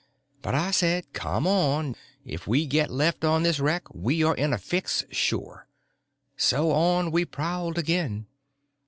But I said, come on, if we get left on this wreck we are in a fix, sure. So on we prowled again.